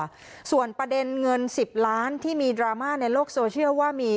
ค่ะส่วนประเด็นเงิน๑๐ล้านที่มีดราม่าในโลกโซเชียลว่ามี